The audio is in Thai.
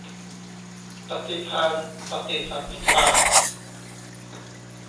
ปฏิภาณปฏิสัมภิทา